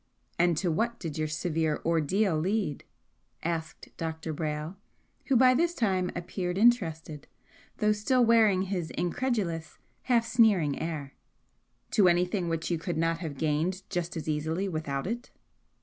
"And to what did your severe ordeal lead?" asked Dr. Brayle, who by this time appeared interested, though still wearing his incredulous, half sneering air "To anything which you could not have gained just as easily without it?"